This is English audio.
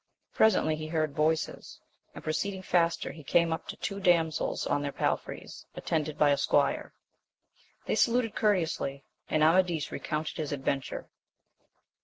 Presently he heard voices, and proceeding faster he came up to two damsels on their palfreys, attended by a squire. They saluted courteously, and Amadis recounted his adventure.